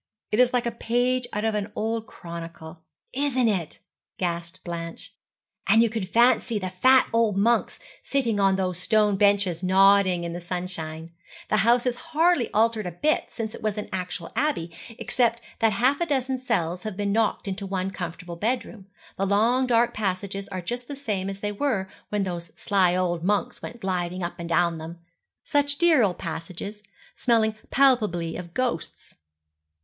It is like a page out of an old chronicle.' 'Isn't it?' gasped Blanche; 'and you can fancy the fat old monks sitting on those stone benches, nodding in the sunshine. The house is hardly altered a bit since it was an actual abbey, except that half a dozen cells have been knocked into one comfortable bedroom. The long dark passages are just the same as they were when those sly old monks went gliding up and down them such dear old passages, smelling palpably of ghosts.'